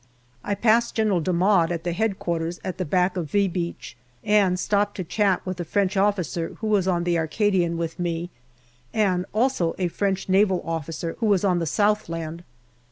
I pass General D'Amade at the H.Q. at the back of " V " Beach, and stop to chat with the French officer who was on the Arcadian with me, and also a French Naval officer who was on the Southland.